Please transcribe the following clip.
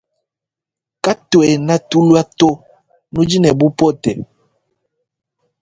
Katuena tulua to nudi ne bupote.